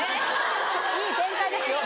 いい展開ですよ。